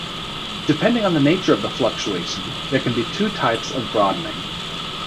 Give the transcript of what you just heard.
Depending on the nature of the fluctuation, there can be two types of broadening.